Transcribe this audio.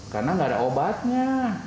karena gak ada obatnya